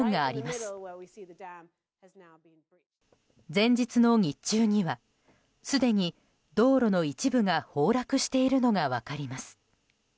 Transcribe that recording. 前日の日中には、すでに道路の一部が崩落しているのが分かります。